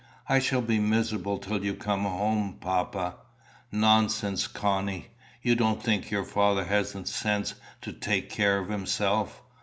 "I shall be miserable till you come home, papa." "Nonsense, Connie. You don't think your father hasn't sense to take care of himself!